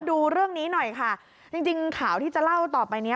ดูเรื่องนี้หน่อยค่ะจริงจริงข่าวที่จะเล่าต่อไปเนี้ย